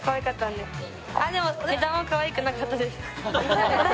でも値段はかわいくなかったです。